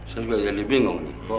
saya juga jadi bingung